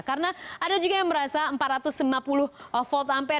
karena ada juga yang merasa empat ratus sembilan puluh volt ampere